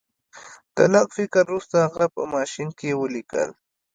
د لږ فکر وروسته هغه په ماشین کې ولیکل